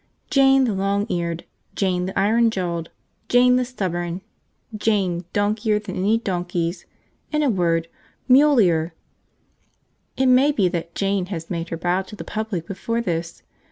Jane the long eared, Jane the iron jawed, Jane the stubborn, Jane donkeyer than other donkeys, in a word, MULIER! It may be that Jane has made her bow to the public before this.